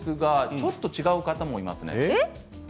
ちょっと違う方もいますね。